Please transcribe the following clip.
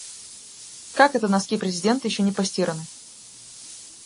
Как это носки президента ещё не постираны?